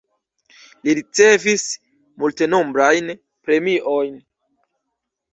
Li ricevis multenombrajn premiojn.